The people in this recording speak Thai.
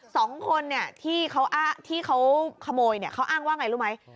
สองคนที่เขาขโมยเขาอ้างว่าไงรู้ไหม